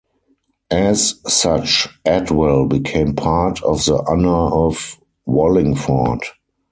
As such, Adwell became part of the Honour of Wallingford.